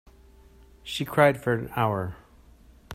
She cried for an hour.